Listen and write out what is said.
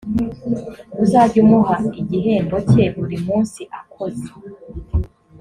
uzajye umuha igihembo cye buri munsi akoze;